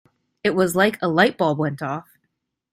It was like a light bulb went off.